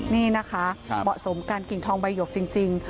นี่นะคะเหมาะสมการกิ่งทองใบหยกจริง